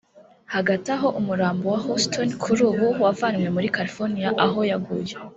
Hagati aho umurambo wa Houston kuri ubu wavanywe muri California aho yaguye